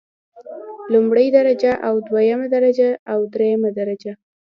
لومړۍ درجه او دوهمه درجه او دریمه درجه.